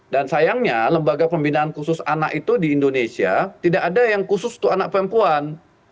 dan sayangnya lembaga pembinaan khusus anak itu di indonesia tidak ada yang khusus untuk anak perempuan